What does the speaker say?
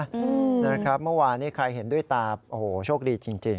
นะครับเมื่อวานนี้ใครเห็นด้วยตาโอ้โหโชคดีจริง